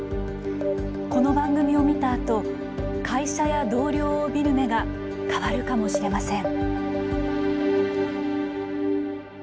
この番組を見たあと会社や同僚を見る目が変わるかもしれません。